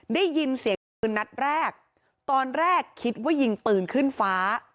ได้ยินเสียงปืนนัดแรกตอนแรกคิดว่ายิงปืนขึ้นฟ้า